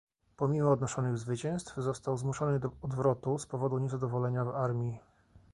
Pomimo odnoszonych zwycięstw został zmuszony do odwrotu z powodu niezadowolenia w armii.